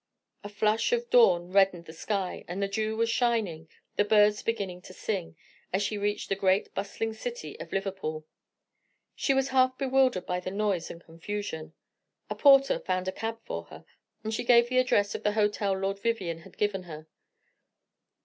A flush of dawn reddened the sky, and the dew was shining, the birds beginning to sing, as she reached the great bustling city of Liverpool. She was half bewildered by the noise and confusion. A porter found a cab for her, and she gave the address of the hotel Lord Vivianne had given her.